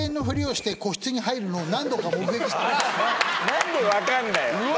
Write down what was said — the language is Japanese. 何で分かんだよ。